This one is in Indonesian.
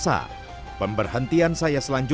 saya memberhenti untuk kira heel diri